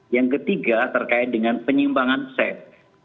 yang ketiga terkait dengan penyimbangan seks